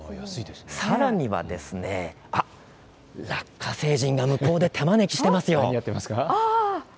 さらにはラッカ星人が向こうで手招きしています。